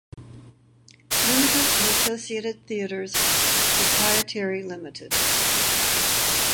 Limited and Associated Theatres Pty.